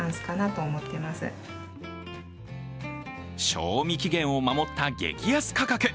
賞味期限を守った激安価格。